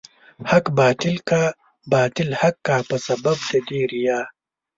حق باطل کا، باطل حق کا په سبب د دې ريا